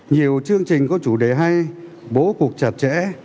nhiều chương trình có chủ đề hay bố cục chặt chẽ